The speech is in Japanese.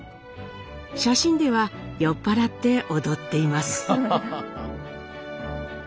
写真では酔っ払って踊っています。